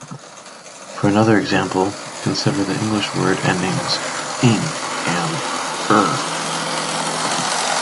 For another example, consider the English word endings "-ing" and "-er".